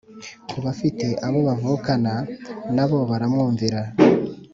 Ku bafite abo bavukana na bo baramwumvira